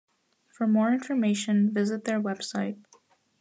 For more information, visit their website.